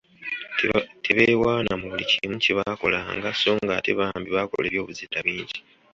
Tebeewaana mu buli kimu kye baakolanga so ng'ate bambi baakola eby'obuzira bingi.